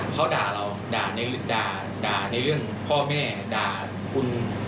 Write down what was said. เขาด่าเราด่าในด่าในเรื่องพ่อแม่ด่าคุณ